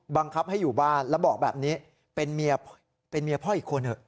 บังคับให้อยู่บ้านแล้วบอกแบบนี้เป็นเมียพ่ออีกคนเถอะ